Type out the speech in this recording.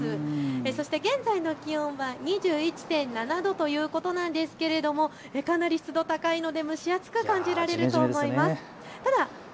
そして現在の気温は２１．７度ということなんですけれどもかなり湿度が高いので蒸し暑く感じられると思います。